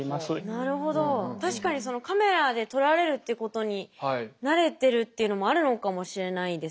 なるほど確かにカメラで撮られるっていうことに慣れてるっていうのもあるのかもしれないですね。